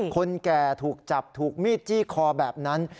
คนแก่ถูกจับถูกมีดจี้คอแบบนั้น